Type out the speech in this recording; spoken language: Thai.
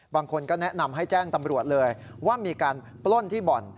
บางคนก็แนะนำให้แจ้งตำรวจเลยว่ามีการปล้นที่บ่อน